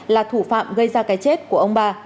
là thủ phạm gây ra cái chết của ông ba